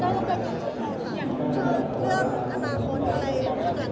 เราก็อยากที่จะเรียนรู้กันให้มากที่สุดขอ